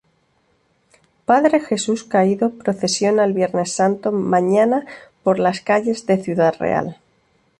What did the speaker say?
Padre Jesús Caído procesiona el Viernes Santo mañana por las calles de Ciudad Real.